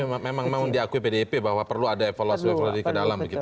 tapi memang mau diakui pdip bahwa perlu ada evaluasi evaluasi ke dalam gitu ya